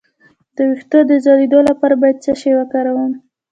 د ویښتو د ځلیدو لپاره باید څه شی وکاروم؟